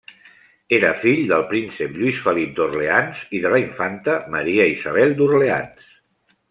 Era fill del príncep Lluís Felip d'Orleans i de la infanta Maria Isabel d'Orleans.